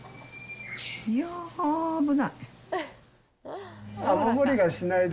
いやー危ない。